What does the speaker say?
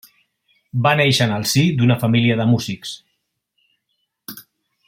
Va néixer en el si d'una família de músics.